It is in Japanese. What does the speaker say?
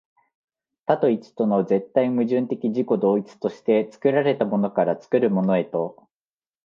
多と一との絶対矛盾的自己同一として、作られたものから作るものへと、